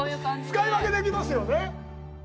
使い分けできますよね。